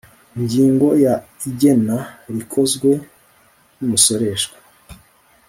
ingingo ya igena rikozwe n umusoreshwa